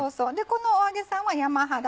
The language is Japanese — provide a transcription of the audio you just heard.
このお揚げさんは山肌